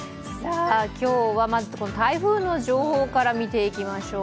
今日はまず台風の情報から見ていきましょう。